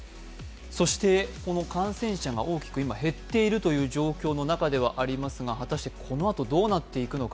この感染者が大きく減っているという状況の中ではありますが果たして、このあとどうなっていくのか？